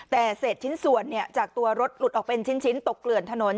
แต่เศษชิ้นส่วนจากตัวรถหลุดออกเป็นชิ้นตกเกลื่อนถนน